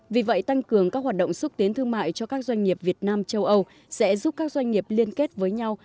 vì vậy tăng cường các hoạt động xúc tiến thương mại cho các doanh nghiệp việt nam châu âu sẽ giúp các doanh nghiệp liên kết với nhau